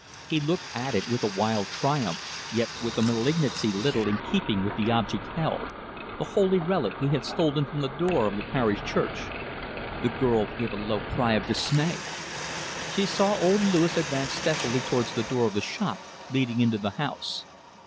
He looked at it with a wild triumph, yet with a malignancy little in keeping with the object he held the holy relic he had stolen from the door of the parish church. The girl gave a low cry of dismay. She saw old Louis advance stealthily towards the door of the shop leading into the house.